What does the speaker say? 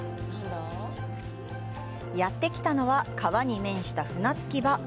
やってきたのは川に面した船着き場。